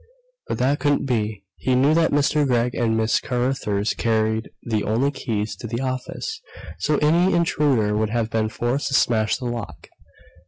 But that couldn't be. He knew that Mr. Gregg and Miss Carruthers carried the only keys to the office, so any intruder would have been forced to smash the lock.